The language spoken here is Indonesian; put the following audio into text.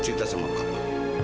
cinta sama apa